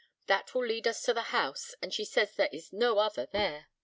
That will lead us to the house, and she says there is no other there."